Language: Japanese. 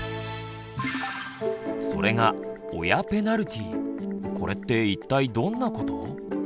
それがこれって一体どんなこと？